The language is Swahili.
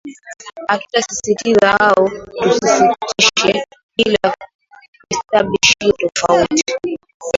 atuta sisitiza au tusisisitishe bila kuestablish hiyo tofauti